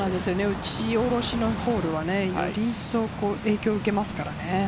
打ち下ろしのホールはより一層、影響を受けますからね。